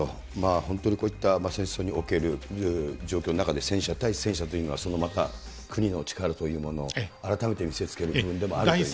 本当にこういった戦争における状況の中で、戦車対戦車というのは、そのまた国の力というものを改めて見せつける部分でもあるという。